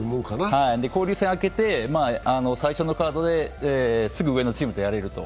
交流戦明けて、最初のカードですぐ上のチームとやれると。